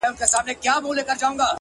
چي پکي روح نُور سي! چي پکي وژاړي ډېر!